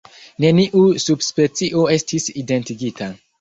Neniu subspecio estis identigita.